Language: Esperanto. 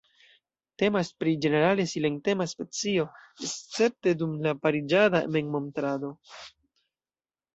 Temas pri ĝenerale silentema specio, escepte dum la pariĝada memmontrado.